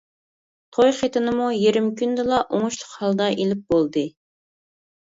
توي خېتىنىمۇ يېرىم كۈندىلا ئوڭۇشلۇق ھالدا ئېلىپ بولدى.